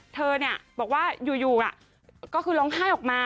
เธอบอกว่าอยู่ก็คือร้องไห้ออกมา